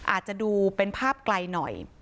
อาจจะดูเป็นภาพไกลหน่อย